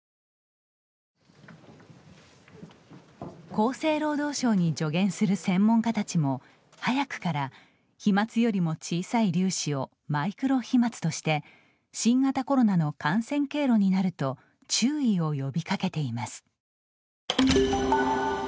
厚生労働省に助言する専門家たちも、早くから飛まつよりも小さい粒子をマイクロ飛まつとして新型コロナの感染経路になると注意を呼びかけています。